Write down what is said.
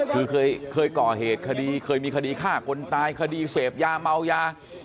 คือเคยก่อเหตุคดีเคยมีคดีฆ่าคนตายคดีเสพยาเมายา